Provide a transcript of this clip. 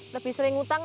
lebih sering utang